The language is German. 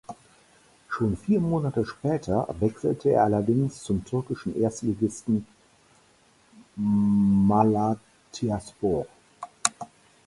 Schon vier Monate später wechselte er allerdings zum türkischen Erstligisten Malatyaspor.